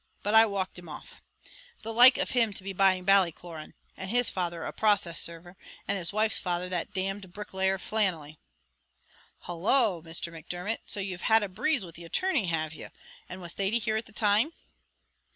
but I walked him off. The like of him to be buying Ballycloran; and his father a process server, and his wife's father that d d bricklayer Flannelly!" "Holloa! Mr. Macdermot; so you've had a breeze with the attorney, have you? And was Thady here at the time?"